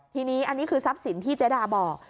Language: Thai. ทีนี้อันนี้คือทรัพย์สินที่เจ๊ดาบอก